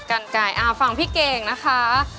กันไก่อ่าฟังพี่เก่งนะคะ